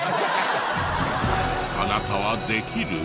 あなたはできる？